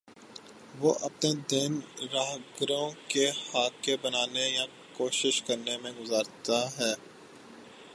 وہ اپنے دن راہگیروں کے خاکے بنانے یا کوشش کرنے میں گزارتا ہے